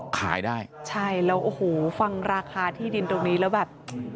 ขายได้ใช่แล้วโอ้โหฟังราคาที่ดินตรงนี้แล้วแบบ